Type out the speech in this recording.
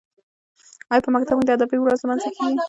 ایا په مکتبونو کې د ادبي ورځو لمانځنه کیږي؟